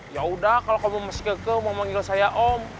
ya udah kalau kamu masih keke mau manggil saya om